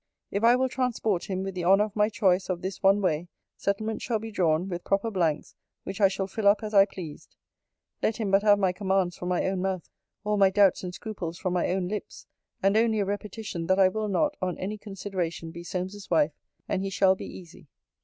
'If I will transport him with the honour of my choice of this one way, settlements shall be drawn, with proper blanks, which I shall fill up as I pleased. Let him but have my commands from my own mouth, all my doubts and scruples from my own lips; and only a repetition, that I will not, on any consideration, be Solmes's wife; and he shall be easy.